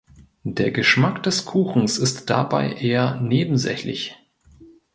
Der Geschmack des Kuchens ist dabei eher nebensächlich.